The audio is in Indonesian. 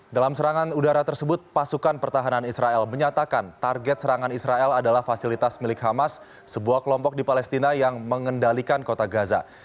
dalam serangan udara tersebut pasukan pertahanan israel menyatakan target serangan israel adalah fasilitas milik hamas sebuah kelompok di palestina yang mengendalikan kota gaza